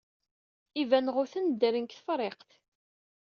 Ibanɣuten ddren deg Tefriqt.